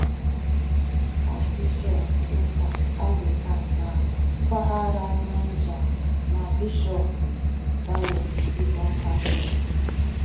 Ashbishọọpụ Ụka Angịlịkan Na Mpaghara Niger na Bishọọpụ Dayọsiisi Awka